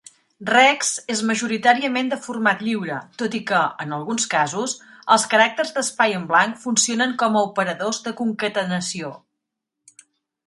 Rexx és majoritàriament de format lliure, tot i que, en alguns casos, els caràcters d'espai en blanc funcionen com a operadors de concatenació.